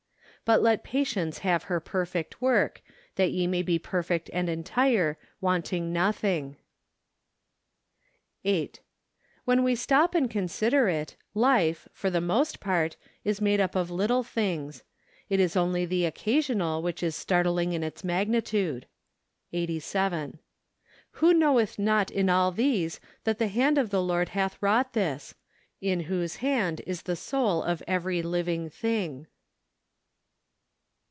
" But let patience have her perfect icork, that ye may be perfect and entire , wanting nothing ." OCTOBER. 113 8. When we stop and consider it, life, for the most part, is made up of little things. It is only the occasional which is startling in its magnitude. Eighty Seven. " Who knoweth not in all these that the hand of the Lord hath wrought this? In whose hand is the soul of every living thing."